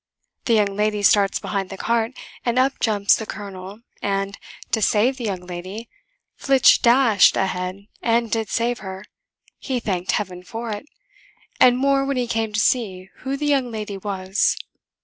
The young lady starts behind the cart, and up jumps the colonel, and, to save the young lady, Flitch dashed ahead and did save her, he thanked Heaven for it, and more when he came to see who the young lady was.